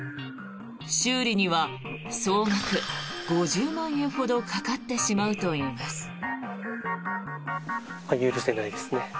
修理には総額５０万円ほどかかってしまうといいます。